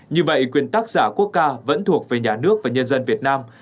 như vậy quyền tác giả quốc ca vẫn thuộc về nhà nước và nhân dân việt nam